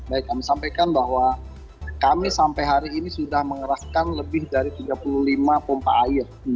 baik kami sampaikan bahwa kami sampai hari ini sudah mengerahkan lebih dari tiga puluh lima pompa air